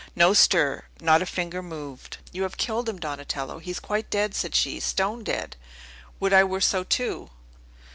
No stir; not a finger moved! "You have killed him, Donatello! He is quite dead!" said she. "Stone dead! Would I were so, too!"